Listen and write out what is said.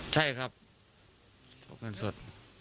ใช่ครับเอาเงินสด